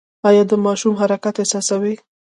ایا د ماشوم حرکت احساسوئ؟